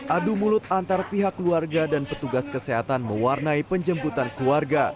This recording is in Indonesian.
adu mulut antar pihak keluarga dan petugas kesehatan mewarnai penjemputan keluarga